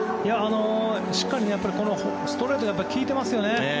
しっかりストレートが効いてますよね。